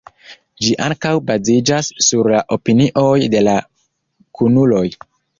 Ĝi ankaŭ baziĝas sur la opinioj de la kunuloj.